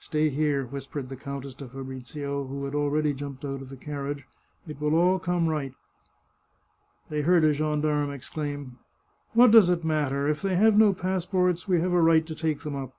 Stay here," whispered the countess to Fabrizio, who had already jumped out of the carriage. " It will all come right." They heard a gendarme exclaim :" What does it matter ? If they have no passports we have a right to take them up."